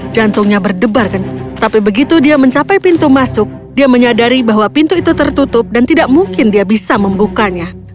jantungnya berdebar tapi begitu dia mencapai pintu masuk dia menyadari bahwa pintu itu tertutup dan tidak mungkin dia bisa membukanya